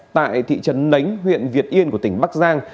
tại thị trấn nánh huyện việt yên của tỉnh bắc giang